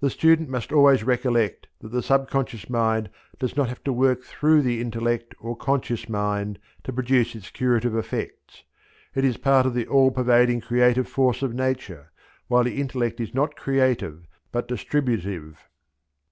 The student must always recollect that the sub conscious mind does not have to work through the intellect or conscious mind to produce its curative effects. It is part of the all pervading creative force of Nature, while the intellect is not creative but distributive.